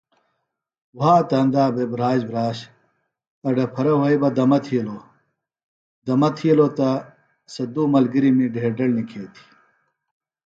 وھاتہ اندا بھےۡ بِھراش بِھراش اڈپھرہ وھئیۡ بہ دمہ تھیلوۡ دمہ تھیلوۡ تہ سےۡ دُو ملگِرمی ڈھیدڑ نکھیتیۡ